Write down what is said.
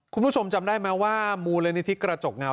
คุณผู้ชมจำได้ไหมว่ามูลนิธิกระจกเงา